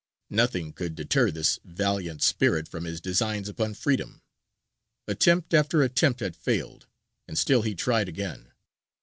Nothing could deter this valiant spirit from his designs upon freedom. Attempt after attempt had failed, and still he tried again.